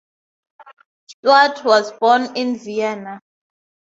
Staudt was born in Vienna.